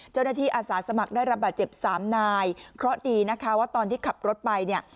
อาสาสมัครได้รับบาดเจ็บสามนายเคราะห์ดีนะคะว่าตอนที่ขับรถไปเนี่ย